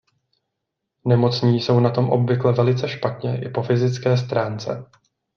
Nemocní jsou na tom obvykle velice špatně i po fyzické stránce.